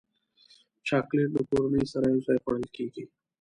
چاکلېټ له کورنۍ سره یوځای خوړل کېږي.